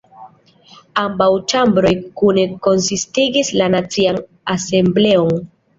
Ambaŭ ĉambroj kune konsistigis la Nacian Asembleon.